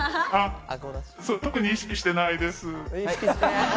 特に意識してないです。